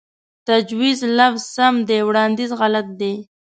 تجويز لفظ سم دے وړانديز غلط دے